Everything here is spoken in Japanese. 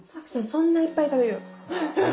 そんないっぱい食べよる？